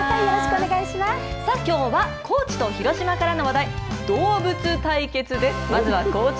きょうは高知と広島からの話題動物対決です。